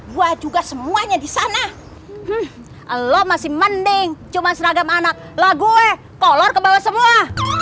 gua juga semuanya disana loh masih mending cuma seragam anak lagu eh kolor kebawa semua